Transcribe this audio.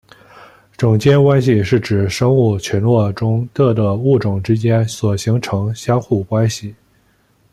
种间关系是指生物群落中各个物种之间所形成相互关系。